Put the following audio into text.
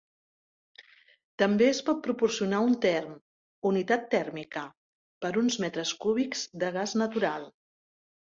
També es pot proporcionar un therm, unitat tèrmica, per uns metres cúbics de gas natural.